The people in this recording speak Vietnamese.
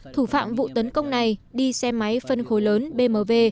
thủ phạm vụ tấn công này đi xe máy phân khối lớn bmw